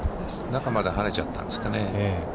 中まではねちゃったんですかね。